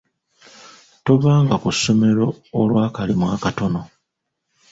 Tovanga ku ssomero olw'akalimu akatono.